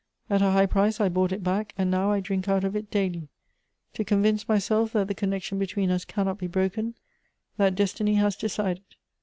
At a high price I bought it back, and now I drink out of it daily — to convince myself that the connection between us cannot be broken ; that destiny has decided."